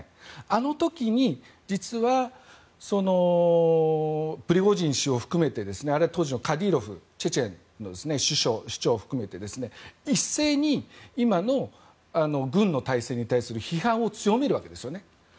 あの時に実はプリゴジン氏を含めて当時のカディロフチェチェンの首長を含めて一斉に、今の軍の体制に対する批判を強めるわけですね。